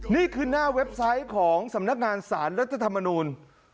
นี่คือหน้าเว็บไซต์ของสำนักงานสารรัฐธรรมนูล